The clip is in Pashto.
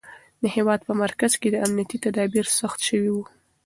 د هېواد په مرکز کې امنیتي تدابیر سخت شوي وو.